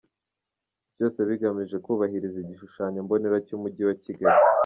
Byose bigamije kubahiriza igishushanyo mbonera cy’umujyi wa Kigali.